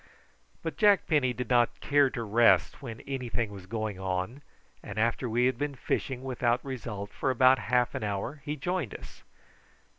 But Jack Penny did not care to rest when anything was going on, and after we had been fishing without result for about half an hour he joined us.